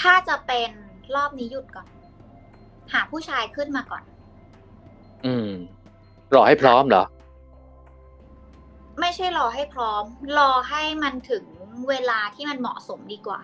ถ้าจะเป็นรอบนี้หยุดก่อนหาผู้ชายขึ้นมาก่อนอืมรอให้พร้อมเหรอไม่ใช่รอให้พร้อมรอให้มันถึงเวลาที่มันเหมาะสมดีกว่า